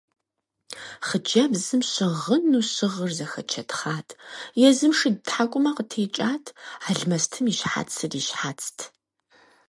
Хъыджэбзым щыгъыну щыгъыр зэхэчэтхъат, езым шыд тхьэкӀумэ къытекӀат, алмэстым и щхьэцыр и щхьэцт.